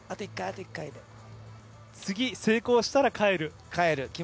次、成功したら帰る。